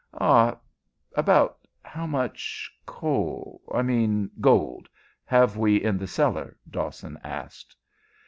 "Ah about how much coal I mean gold have we in the cellar?" Dawson asked.